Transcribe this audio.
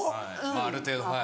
ある程度はい。